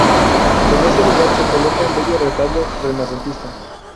En ese lugar se coloca un bello retablo renacentista.